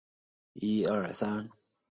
仅有三式指挥连络机一种。